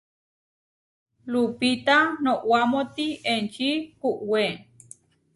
Lupita noʼwámoti enči kúʼwe.